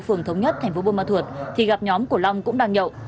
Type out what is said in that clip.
phường thống nhất tp buôn ma thuột thì gặp nhóm của long cũng đang nhậu